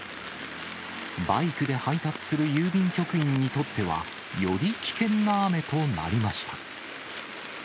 バイクで配達する郵便局員にとっては、より危険な雨となりました。